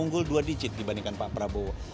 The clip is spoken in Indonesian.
unggul dua digit dibandingkan pak prabowo